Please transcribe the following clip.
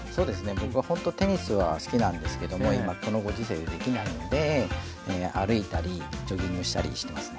僕はほんとテニスは好きなんですけども今このご時世でできないので歩いたりジョギングしたりしてますね。